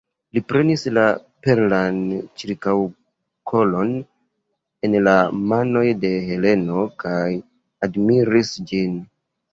Li prenis la perlan ĉirkaŭkolon el la manoj de Heleno kaj admiris ĝin.